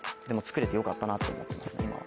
でも作れてよかったなと思ってますね